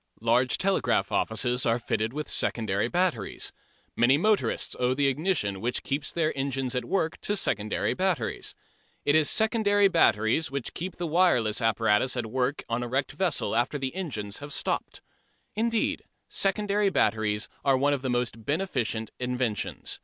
Large telegraph offices are fitted with secondary batteries. Many motorists owe the ignition which keeps their engines at work to secondary batteries. It is secondary batteries which keep the wireless apparatus at work on a wrecked vessel after the engines have stopped. Indeed secondary batteries are one of the most beneficent inventions.